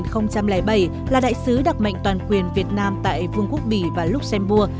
năm hai nghìn ba hai nghìn bảy là đại sứ đặc mệnh toàn quyền việt nam tại vương quốc bỉ và luxembourg